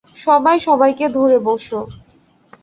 সবাই সবাইকে ধরে বসো।